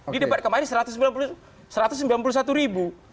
di debat kemarin satu ratus sembilan puluh satu ribu